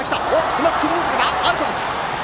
うまく潜り抜けたが、アウトです。